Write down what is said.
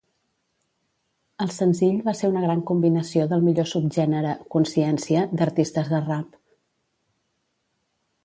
El senzill va ser una gran combinació del millor subgènere "Consciència" d'artistes de rap.